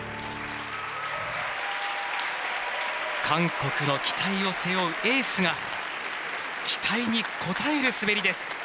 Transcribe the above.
韓国の期待を背負うエースが期待に応える滑りです。